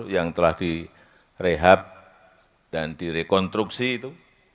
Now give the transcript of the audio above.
yang telah direhab dan direkonstruksi itu